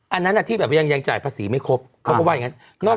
อันนั้นที่แบบยังจ่ายภาษีไม่ครบเขาก็ว่าอย่างนั้น